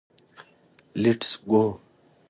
لېټس ګو.